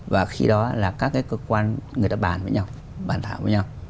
và khi đó là các cái cơ quan người ta bàn với nhau bàn thảo với nhau